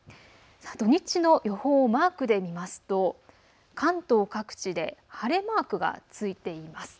土日の予報をマークで見ますと関東各地で晴れマークがついています。